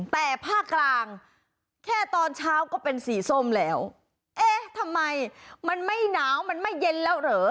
แต่ภาคกลางแค่ตอนเช้าก็เป็นสีส้มแล้วเอ๊ะทำไมมันไม่หนาวมันไม่เย็นแล้วเหรอ